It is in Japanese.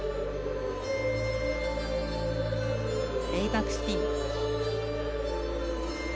レイバックスピン。